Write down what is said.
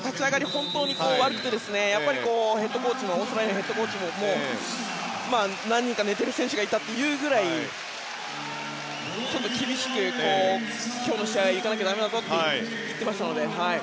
本当に悪くてオーストラリアのヘッドコーチも何人か寝ている選手がいたと言うぐらい厳しく今日の試合はいかなきゃいけないと言っていましたので。